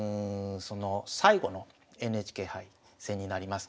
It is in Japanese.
最後のＮＨＫ杯戦になります。